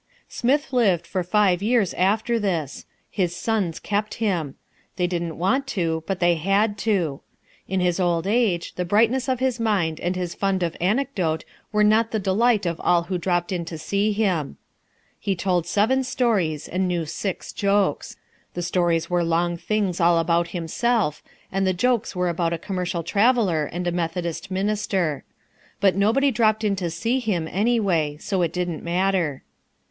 Smith lived for five years after this. His sons kept him. They didn't want to, but they had to. In his old age the brightness of his mind and his fund of anecdote were not the delight of all who dropped in to see him. He told seven stories and he knew six jokes. The stories were long things all about himself, and the jokes were about a commercial traveller and a Methodist minister. But nobody dropped in to see him, anyway, so it didn't matter.